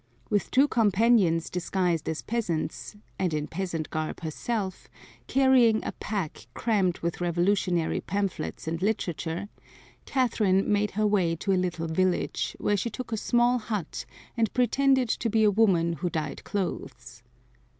With two companions disguised as peasants, and in peasant garb herself, carrying a pack crammed with revolutionary pamphlets and literature, Catherine made her way to a little village, where she took a small hut and pretended to be a woman who dyed clothes.